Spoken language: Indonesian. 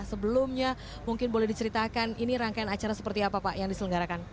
sebelumnya mungkin boleh diceritakan ini rangkaian acara seperti apa pak yang diselenggarakan